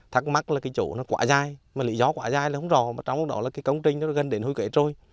thắc mắc là cái chỗ nó quả dài mà lý do quả dài là không rõ mà trong đó là cái công trình nó gần đến hôi kể trôi